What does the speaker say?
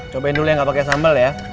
cobain dulu yang gak pake sambal ya